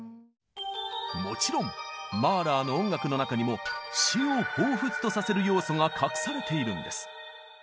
もちろんマーラーの音楽の中にも「死」を彷彿とさせる要素が隠されているんです！